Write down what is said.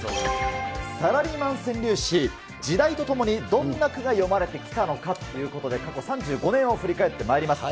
サラリーマン川柳史、時代と共にどんな句が詠まれてきたのかということで、過去３５年を振り返ってまいります。